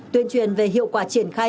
tuyên truyền về hiệu quả triển khai